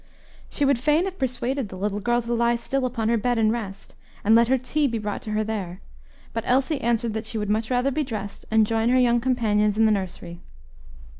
She would fain have persuaded the little girl to lie still upon her bed and rest, and let her tea be brought to her there; but Elsie answered that she would much rather be dressed, and join her young companions in the nursery.